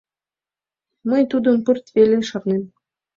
Мый тудым пырт веле шарнем.